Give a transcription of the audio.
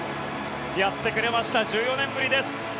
やってくれました１４年ぶりです。